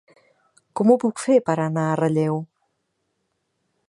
Com ho puc fer per anar a Relleu?